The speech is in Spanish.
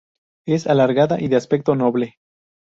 Es alargada y de aspecto noble.